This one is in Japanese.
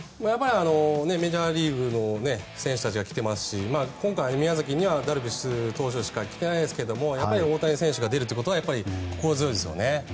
メジャーリーグの選手たちが来てますし今回、宮崎にはダルビッシュ投手しか来てないですけどやっぱり大谷選手が出るということは心強いですね。